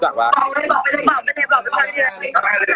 จะมาหาอีกรอบ